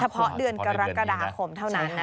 เพราะเดือนกรกฎาคมเท่านั้นนะ